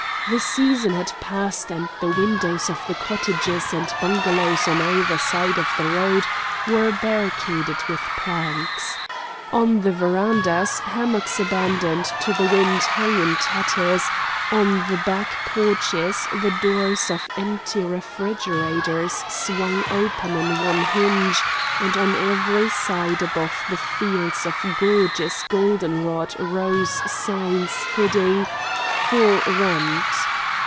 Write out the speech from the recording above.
The season had passed and the windows of the cottages and bungalows on either side of the road were barricaded with planks. On the verandas hammocks abandoned to the winds hung in tatters, on the back porches the doors of empty refrigerators swung open on one hinge, and on every side above the fields of gorgeous golden rod rose signs reading "For Rent."